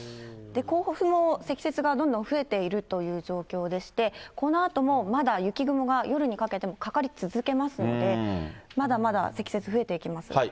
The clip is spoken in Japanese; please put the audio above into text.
甲府も積雪がどんどん増えているという状況でして、このあともまだ雪雲が夜にかけてもかかり続けますので、まだまだ、積雪増えていきます。